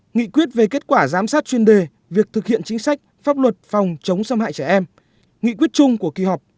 nghị quyết về kết quả giám sát chuyên đề việc thực hiện chính sách pháp luật phòng chống xâm hại trẻ em nghị quyết chung của kỳ họp